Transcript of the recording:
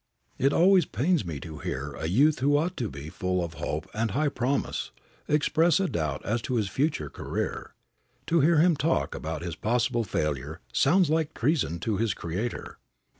It always pains me to hear a youth who ought to be full of hope and high promise express a doubt as to his future career. To hear him talk about his possible failure sounds like treason to his Creator.